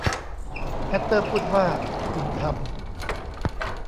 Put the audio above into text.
แฮตเตอร์พูดว่า คุณทำ